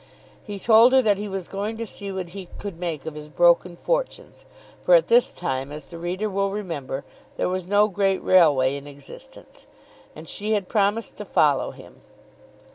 He told her that he was going to see what he could make of his broken fortunes, for at this time, as the reader will remember, there was no great railway in existence, and she had promised to follow him.